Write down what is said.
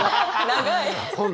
長い！